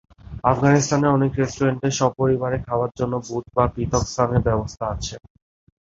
আফগানিস্তানের অনেক রেস্টুরেন্টে সপরিবারে খাওয়ার জন্য বুথ বা পৃথক স্থানের ব্যবস্থা আছে।